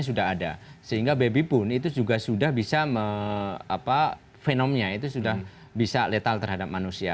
sudah ada sehingga baby pun itu juga sudah bisa fenomnya itu sudah bisa letal terhadap manusia